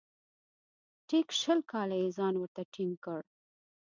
ټیک شل کاله یې ځان ورته ټینګ کړ .